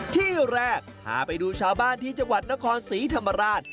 ที่แรกพาไปดูชาวบ้านที่จังหวัดนครศรีธรรมราช